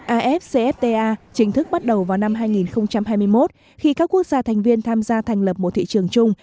afcfta chính thức bắt đầu vào năm hai nghìn hai mươi một khi các quốc gia thành viên tham gia thành lập một thị trường chung